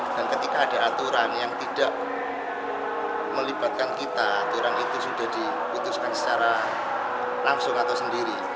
dan ketika ada aturan yang tidak melibatkan kita aturan itu sudah diputuskan secara langsung atau sendiri